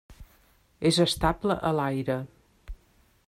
És estable a l'aire.